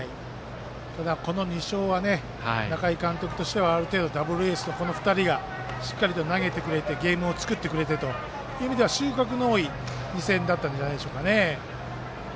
ただ、この２勝は仲井監督としてはある程度ダブルエースという２人がしっかりと投げてくれてゲームを作ってくれてという収穫の多い２戦だったんじゃないでしょうかね。